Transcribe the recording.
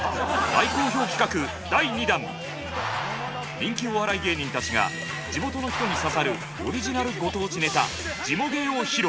人気お笑い芸人たちが地元の人に刺さるオリジナルご当地ネタジモ芸を披露！